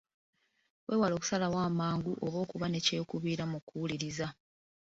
Weewale okusalawo amangu oba okuba ne kyekubiira mu kuwuliriza.